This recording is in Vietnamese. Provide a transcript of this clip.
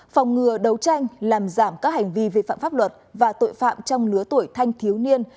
phòng ngừa đấu tranh làm giảm các hành vi vi phạm pháp luật và tội phạm trong lứa tuổi thanh thiếu niên